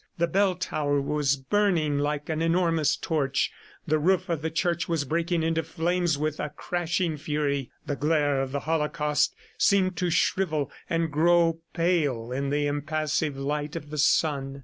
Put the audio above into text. The bell tower was burning like an enormous torch; the roof of the church was breaking into flames with a crashing fury. The glare of the holocaust seemed to shrivel and grow pale in the impassive light of the sun.